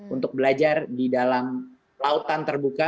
untuk belajar di dalam lautan terbuka